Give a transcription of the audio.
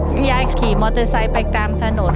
พี่ยายขี่มอเตอร์ไซค์ไปตามถนน